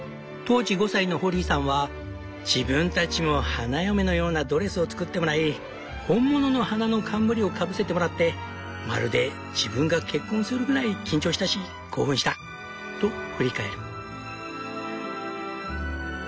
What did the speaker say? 当時５歳のホリーさんは「自分たちも花嫁のようなドレスを作ってもらい本物の花の冠をかぶせてもらってまるで自分が結婚するぐらい緊張したし興奮した」と振り返る。